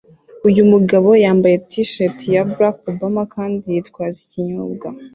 Uyu mugabo yambaye T-shirt ya Barack Obama kandi yitwaje ikinyobwa